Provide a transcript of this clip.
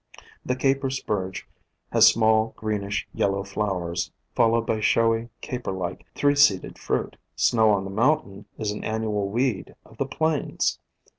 The Caper Spurge has small, greenish yellow flowers followed by showy, caperlike, three seeded fruit. Snow on the Mountain is an annual weed of the Plains.